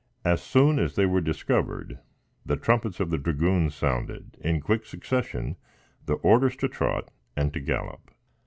As soon as they were discovered, the trumpets of the dragoons sounded, in quick succession, the orders to trot, and to gallop.